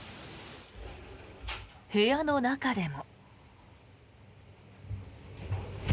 部屋の中でも。